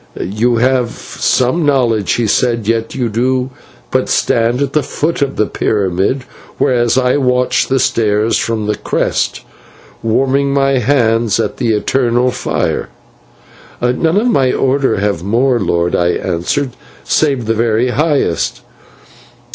"'You have some knowledge,' he said, 'yet you do but stand at the foot of the pyramid, whereas I watch the stars from its crest, warming my hands at the eternal fire.' "'None of my order have more, lord,' I answered, 'save the very highest.'